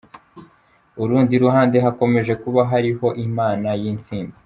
Urundi ruhande hakomeje kuba hariho imana y’intsinzi.